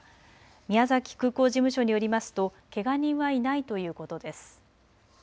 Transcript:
宮崎空港事務所によりますとけが人はいないということです。